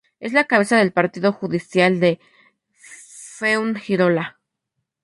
Es la cabeza del partido judicial de Fuengirola.